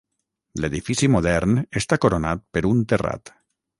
L'edifici modern està coronat per un terrat.